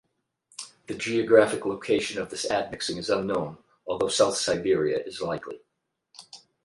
The geographic location of this admixing is unknown, although south Siberia is likely.